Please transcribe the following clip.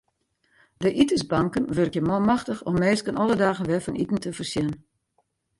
De itensbanken wurkje manmachtich om minsken alle dagen wer fan iten te foarsjen.